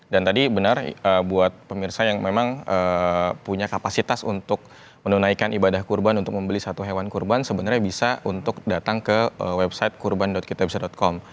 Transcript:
dan tadi benar buat pemirsa yang memang punya kapasitas untuk menunaikan ibadah kurban untuk membeli satu hewan kurban sebenarnya bisa untuk datang ke website kurban kitabisa com